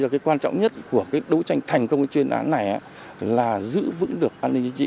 cái quan trọng nhất của cái đấu tranh thành công cái chuyên án này là giữ vững được an ninh chính trị